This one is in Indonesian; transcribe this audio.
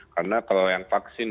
karena kalau yang vaksin